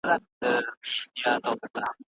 آیا ميرمني د وعظ اورېدو ته تللې؟